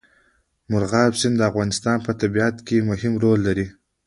مورغاب سیند د افغانستان په طبیعت کې مهم رول لري.